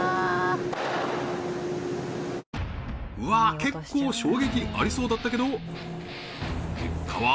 わあ結構衝撃ありそうだったけど結果は？